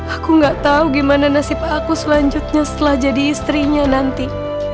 aku gak tau gimana nasib aku selanjutnya setelah jadi istrinya nanti